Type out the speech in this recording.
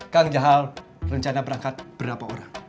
kang jahaal rencana berangkat berapa orang